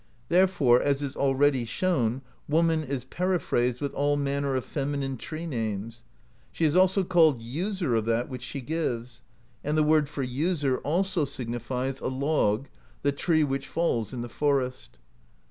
Therefore, as is al ready shown, woman is periphrased with all manner of feminine tree names: she is also called User of that which she gives; and the word for ^user' also signifies a log, the tree which falls in the forest.